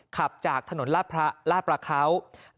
ขับจากถนนลาประเคราะห์